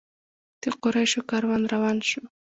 د قریشو کاروان روان شو.